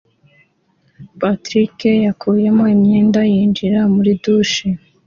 Patrick yakuyemo imyenda yinjira muri douche.